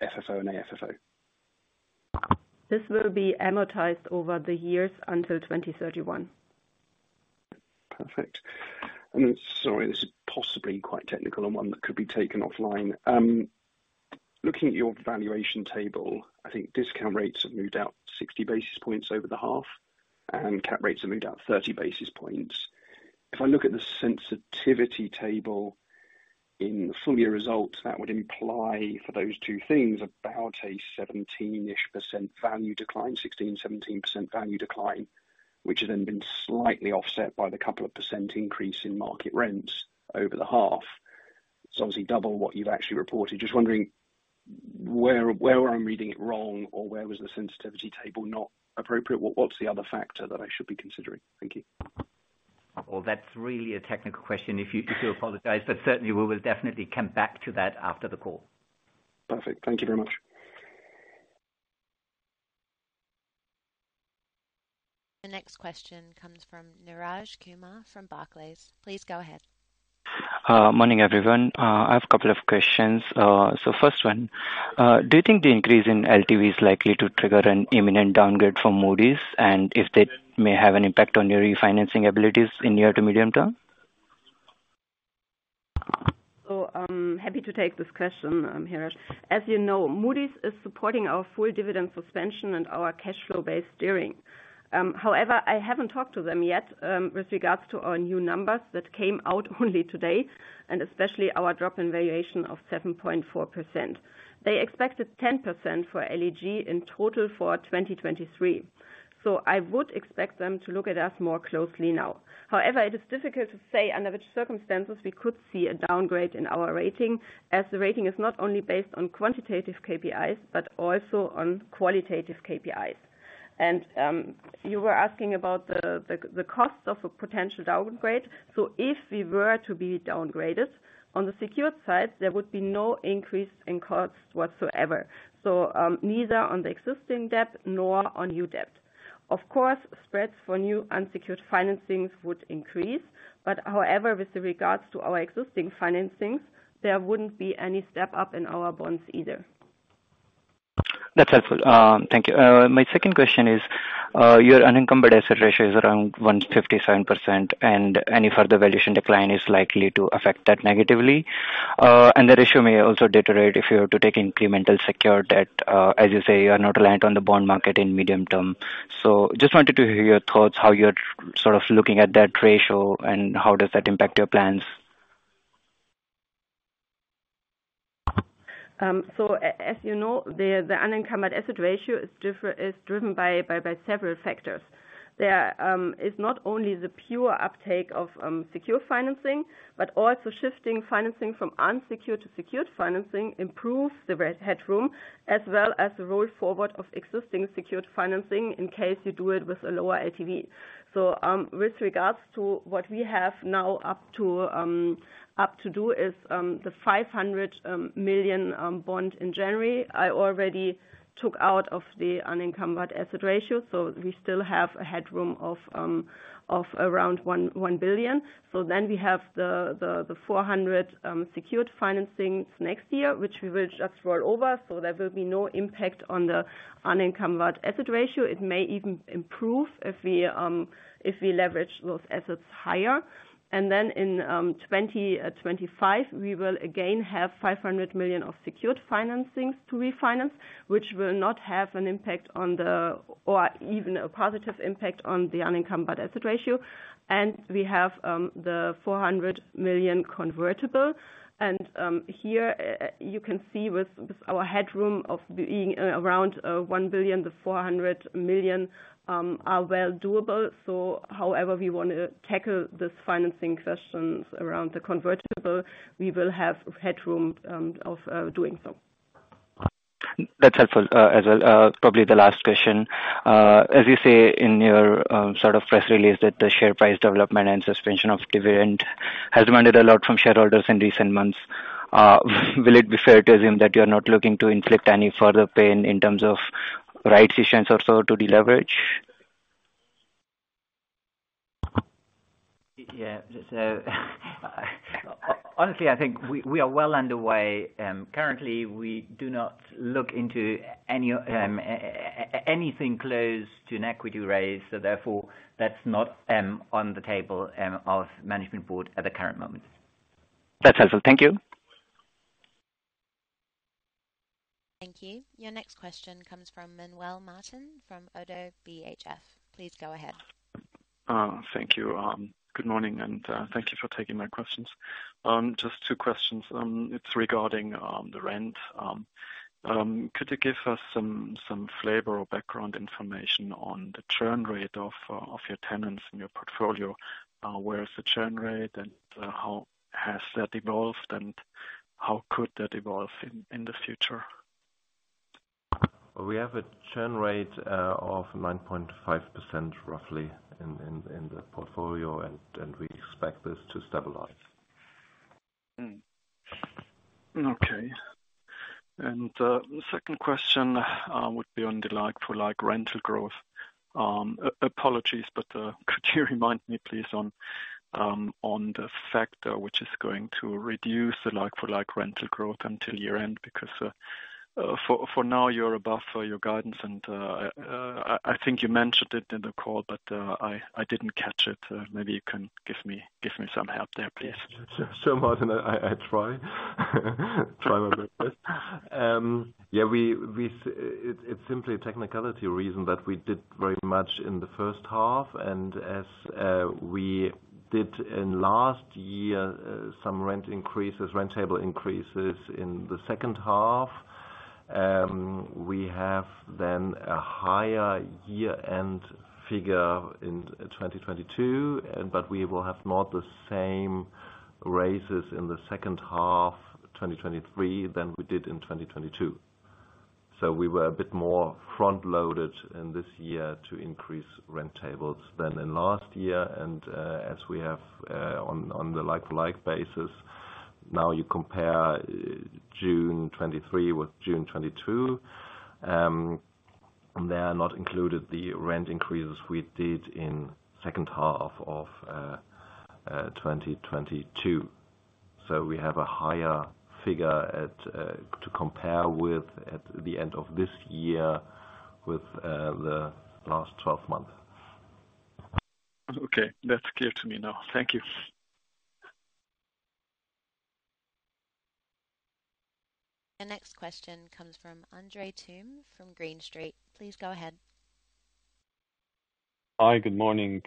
FFO and AFFO? This will be amortized over the years until 2031. Perfect. Then, sorry, this is possibly quite technical and one that could be taken offline. Looking at your valuation table, I think discount rates have moved out 60 basis points over the half, and cap rates have moved out 30 basis points. If I look at the sensitivity table in the full year results, that would imply for those two things, about a 17-ish% value decline, 16%, 17% value decline, which has then been slightly offset by the couple of % increase in market rents over the half. It's obviously double what you've actually reported. Just wondering where, where I'm reading it wrong or where was the sensitivity table not appropriate? What, what's the other factor that I should be considering? Thank you. Well, that's really a technical question, if you, if you apologize. Certainly we will definitely come back to that after the call. Perfect. Thank you very much. The next question comes from Neeraj Kumar from Barclays. Please go ahead. Morning, everyone. I have a couple of questions. First one, do you think the increase in LTV is likely to trigger an imminent downgrade from Moody's? If that may have an impact on your refinancing abilities in near to medium term? I'm happy to take this question, Neeraj. As you know, Moody's is supporting our full dividend suspension and our cash flow-based steering. However, I haven't talked to them yet with regards to our new numbers that came out only today, and especially our drop in valuation of 7.4%. They expected 10% for LEG in total for 2023. I would expect them to look at us more closely now. However, it is difficult to say under which circumstances we could see a downgrade in our rating, as the rating is not only based on quantitative KPIs, but also on qualitative KPIs. You were asking about the cost of a potential downgrade. If we were to be downgraded, on the secured side, there would be no increase in costs whatsoever. Neither on the existing debt nor on new debt. Of course, spreads for new unsecured financings would increase, but however, with regards to our existing financings, there wouldn't be any step up in our bonds either. That's helpful. Thank you. My second question is, your unencumbered asset ratio is around 157%, and any further valuation decline is likely to affect that negatively. The ratio may also deteriorate if you are to take incremental secured debt, as you say, you are not reliant on the bond market in medium term. Just wanted to hear your thoughts, how you're sort of looking at that ratio, and how does that impact your plans? As you know, the unencumbered asset ratio is driven by several factors. There is not only the pure uptake of secure financing, but also shifting financing from unsecured to secured financing improves the red headroom, as well as the roll forward of existing secured financing in case you do it with a lower LTV. With regards to what we have now up to do, is the 500 million bond in January. I already took out of the unencumbered asset ratio, we still have a headroom of around 1 billion. We have the 400 million secured financings next year, which we will just roll over, there will be no impact on the unencumbered asset ratio. It may even improve if we if we leverage those assets higher. Then in 2025, we will again have 500 million of secured financings to refinance, which will not have an impact on the or even a positive impact on the unencumbered asset ratio. We have the 400 million convertible. Here, you can see with with our headroom of being around 1 billion, the 400 million are well doable. However we want to tackle this financing questions around the convertible, we will have headroom of doing so. That's helpful. As probably the last question. As you say in your sort of press release, that the share price development and suspension of dividend has demanded a lot from shareholders in recent months. Will it be fair to assume that you're not looking to inflict any further pain in terms of right sessions or so to deleverage? Honestly, I think we, we are well underway, currently, we do not look into any anything close to an equity raise, so therefore, that's not on the table of Management Board at the current moment. That's helpful. Thank you. Thank you. Your next question comes from Manuel Martin, from ODDO BHF. Please go ahead.... Thank you. Good morning, and thank you for taking my questions. Just two questions. It's regarding the rent. Could you give us some flavor or background information on the churn rate of your tenants in your portfolio? Where is the churn rate, and how has that evolved, and how could that evolve in the future? We have a churn rate, of 9.5%, roughly, in the portfolio, and we expect this to stabilize. Mm. Okay. The second question would be on the like for like rental growth. Apologies, but could you remind me please, on the factor, which is going to reduce the like for like rental growth until year end? Because, for now, you're above for your guidance, and I think you mentioned it in the call, but I didn't catch it. Maybe you can give me, give me some help there, please. Sure, Martin, I, I, I try. Try my best. Yeah, we, we it, it's simply a technicality reason that we did very much in the first half, and as we did in last year, some rent increases, rent table increases in the second half, we have then a higher year-end figure in 2022, and but we will have more the same raises in the second half, 2023 than we did in 2022. We were a bit more front loaded in this year to increase rent tables than in last year, and as we have on the like-for-like basis, now, you compare June 2023 with June 2022, they are not included the rent increases we did in second half of 2022. We have a higher figure at, to compare with, at the end of this year with, the last 12 months. Okay. That's clear to me now. Thank you. The next question comes from Andres Toome from Green Street. Please go ahead. Hi, good morning.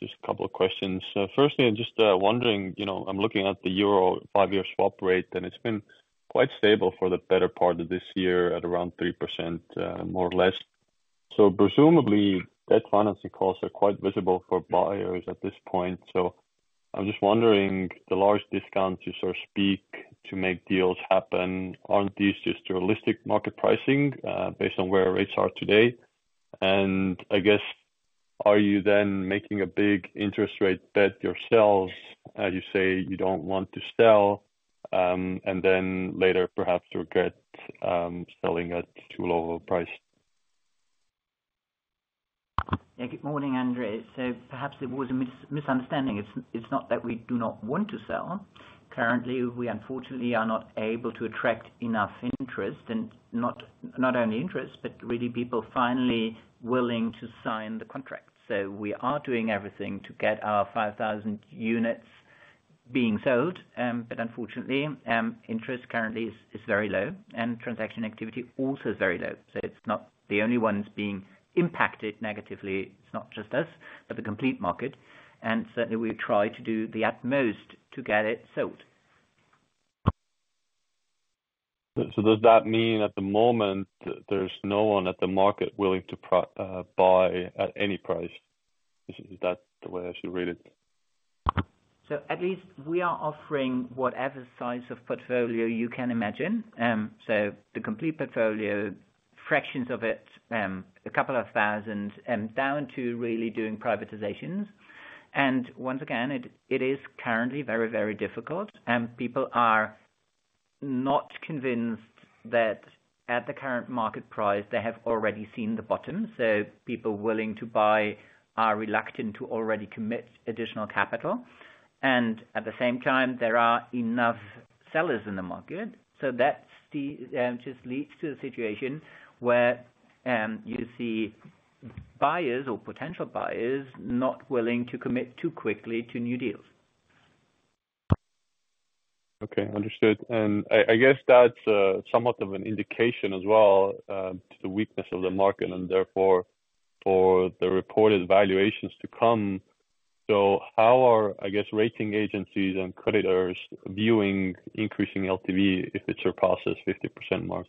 Just a couple of questions. Firstly, I'm just wondering, you know, I'm looking at the EUR 5-year swap rate, it's been quite stable for the better part of this year at around 3%, more or less. Presumably, that financing costs are quite visible for buyers at this point. I'm just wondering, the large discounts you so speak, to make deals happen, aren't these just realistic market pricing, based on where rates are today? I guess, are you then making a big interest rate bet yourselves, you say you don't want to sell, and then later perhaps regret selling at too low a price? Yeah. Good morning, Andre. Perhaps it was a misunderstanding. It's not that we do not want to sell. Currently, we unfortunately are not able to attract enough interest, and not only interest, but really people finally willing to sign the contract. We are doing everything to get our 5,000 units being sold, but unfortunately, interest currently is very low, and transaction activity also is very low. It's not the only ones being impacted negatively, it's not just us, but the complete market, and certainly we try to do the utmost to get it sold. Does that mean at the moment, there's no one at the market willing to buy at any price? Is, is that the way I should read it? At least we are offering whatever size of portfolio you can imagine. The complete portfolio, fractions of it, a couple of thousands, down to really doing privatizations. Once again, it, it is currently very, very difficult, and people are not convinced that at the current market price, they have already seen the bottom. People willing to buy are reluctant to already commit additional capital, and at the same time, there are enough sellers in the market, so that's the, just leads to the situation where, you see buyers or potential buyers not willing to commit too quickly to new deals. Okay, understood. I guess that's somewhat of an indication as well to the weakness of the market, and therefore, for the reported valuations to come. How are, I guess, rating agencies and creditors viewing increasing LTV if it surpasses 50% mark?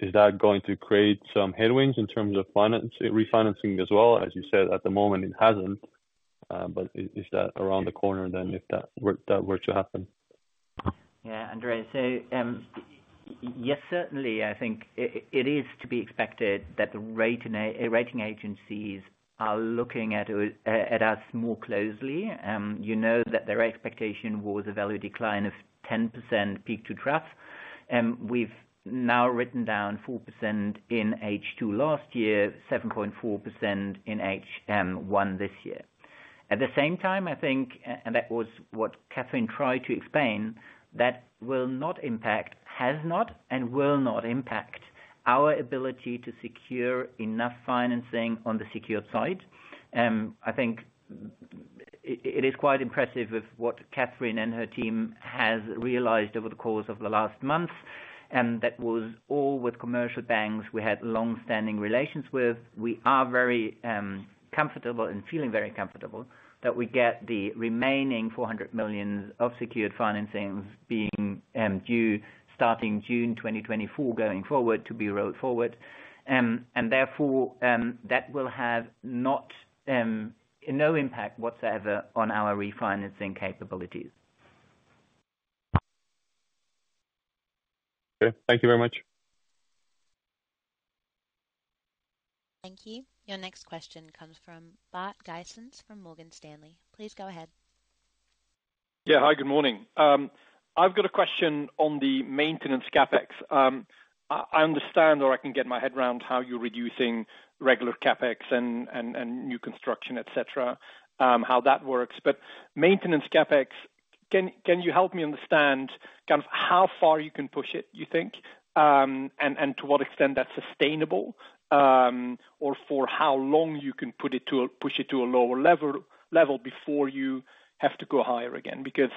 Is that going to create some headwinds in terms of finance, refinancing as well? As you said, at the moment, it hasn't, but is that around the corner then, if that were to happen? Yeah, Andre, yes, certainly, I think it is to be expected that the rating agencies are looking at it at us more closely. You know, that their expectation was a value decline of 10% peak to trough, we've now written down 4% in H2 last year, 7.4% in H1 this year. At the same time, I think, and that was what Kathrin tried to explain, that will not impact, has not, and will not impact our ability to secure enough financing on the secured side. I think.... It, it is quite impressive with what Kathrin and her team has realized over the course of the last month, and that was all with commercial banks we had long-standing relations with. We are very comfortable and feeling very comfortable that we get the remaining 400 million of secured financings being due starting June 2024, going forward to be rolled forward. Therefore, that will have not no impact whatsoever on our refinancing capabilities. Okay. Thank you very much. Thank you. Your next question comes from Bart Gysens from Morgan Stanley. Please go ahead. Yeah. Hi, good morning. I've got a question on the maintenance CapEx. I, I understand, or I can get my head around how you're reducing regular CapEx and, and, and new construction, et cetera, how that works. Maintenance CapEx, can, can you help me understand kind of how far you can push it, you think? To what extent that's sustainable, or for how long you can push it to a lower level, level before you have to go higher again? Because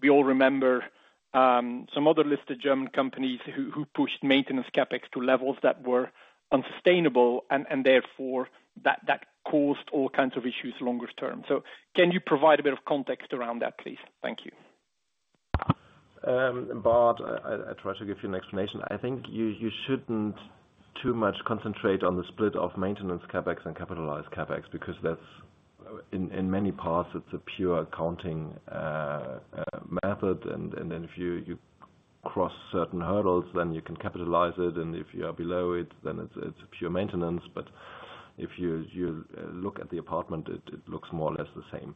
we all remember, some other listed German companies who, who pushed maintenance CapEx to levels that were unsustainable and, and therefore, that, that caused all kinds of issues longer term. Can you provide a bit of context around that, please? Thank you. Bart, I, I'll try to give you an explanation. I think you, you shouldn't too much concentrate on the split of maintenance CapEx and capitalized CapEx, because that's, in, in many parts, it's a pure accounting method. Then if you, you cross certain hurdles, then you can capitalize it, and if you are below it, then it's, it's pure maintenance. If you, you look at the apartment, it, it looks more or less the same.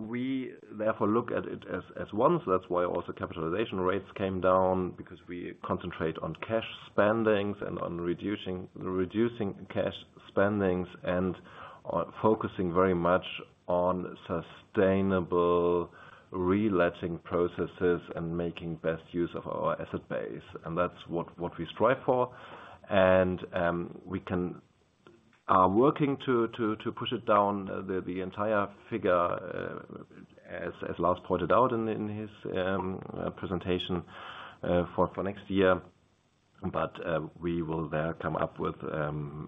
We therefore look at it as, as one. That's why also capitalization rates came down, because we concentrate on cash spendings and on reducing, reducing cash spendings, and on focusing very much on sustainable reletting processes and making best use of our asset base. That's what, what we strive for. We are working to push it down the entire figure as Lars pointed out in his presentation for next year. We will then come up with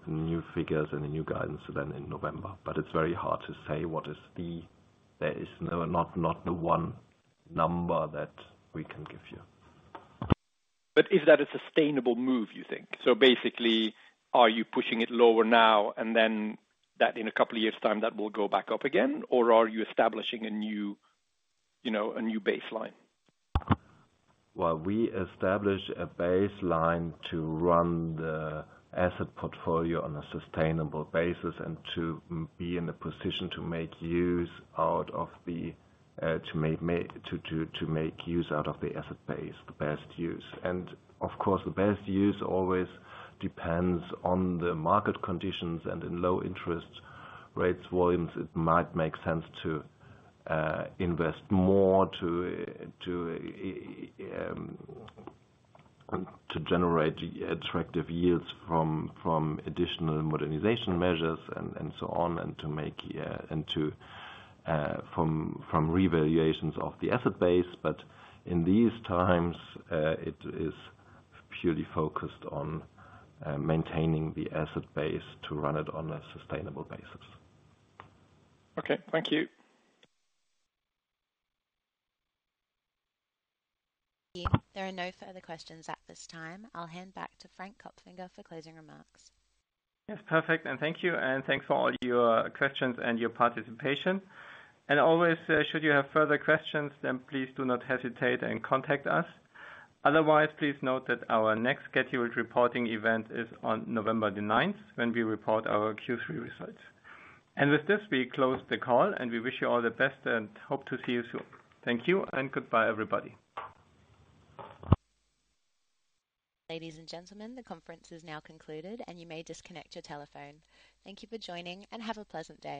new figures and a new guidance then in November. It's very hard to say. There is no, not the one number that we can give you. Is that a sustainable move, you think? Basically, are you pushing it lower now and then that in a couple of years' time, that will go back up again, or are you establishing a new, you know, a new baseline? Well, we established a baseline to run the asset portfolio on a sustainable basis and to be in a position to make use out of the asset base, the best use. Of course, the best use always depends on the market conditions, and in low interest rates, volumes, it might make sense to invest more, to generate attractive yields from additional modernization measures and so on. To make from revaluations of the asset base. In these times, it is purely focused on maintaining the asset base to run it on a sustainable basis. Okay. Thank you. There are no further questions at this time. I'll hand back to Frank Kopfinger for closing remarks. Yes, perfect. Thank you, and thanks for all your questions and your participation. Always, should you have further questions, then please do not hesitate and contact us. Otherwise, please note that our next scheduled reporting event is on November the ninth, when we report our Q3 results. With this, we close the call, and we wish you all the best and hope to see you soon. Thank you and goodbye, everybody. Ladies and gentlemen, the conference is now concluded, and you may disconnect your telephone. Thank you for joining, and have a pleasant day.